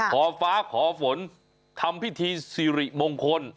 ขอฟ้าขอฝนทำพิธีสิริมงคล